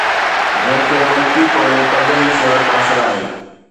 جنهن کي ملڪي توڙي پرڏيهي شهرت حاصل آهي